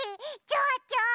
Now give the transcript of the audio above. ちょうちょ。